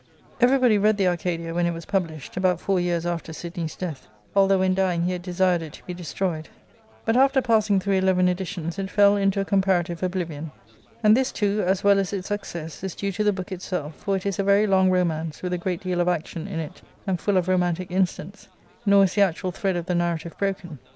Everybody read the "Arcadia" when it was published, about four years after Sidney's death, although when dying he had de sired it to be destroyed; but, after passing through eleven editions, it fell into a comparative oblivion ; and this, too, as well as its success, is due to the book itself, for it is a very long romance, with a great deal of action in it, and full of romantic incidents ; nor is the actual thread of the narrative broken.